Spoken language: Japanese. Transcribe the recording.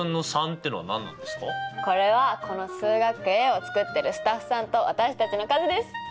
これはこの「数学Ａ」を作ってるスタッフさんと私たちの数です！